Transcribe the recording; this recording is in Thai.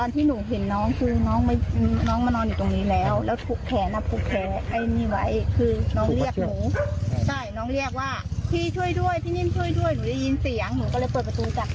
ก็เลยให้น้อง๒คนโทรแจ้งตำรวจกับเหนือตู้ภัย